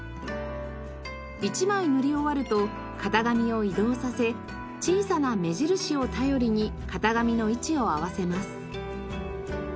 １枚塗り終わると型紙を移動させ小さな目印を頼りに型紙の位置を合わせます。